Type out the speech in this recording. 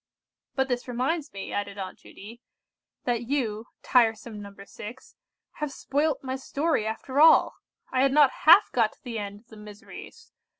"But this reminds me," added Aunt Judy, "that you—tiresome No. 6—have spoilt my story after all! I had not half got to the end of the miseries.